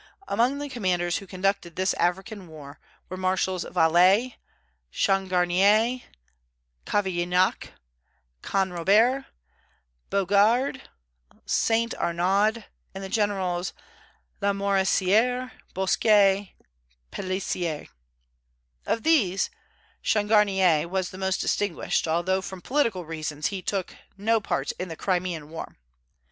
Among the commanders who conducted this African war were Marshals Valée, Changarnier, Cavaignac, Canrobert, Bugeaud, St. Arnaud, and Generals Lamoricière, Bosquet, Pelissier. Of these Changarnier was the most distinguished, although, from political reasons, he took no part in the Crimean War.